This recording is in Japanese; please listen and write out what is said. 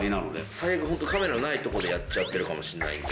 最悪カメラないとこでやっちゃってるかもしんないんで。